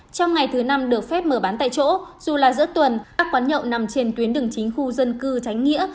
trong ngày thứ năm được phép mở bán tại chỗ dù là giữa tuần các quán nhậu nằm trên tuyến đường chính khu dân cư tránh nghĩa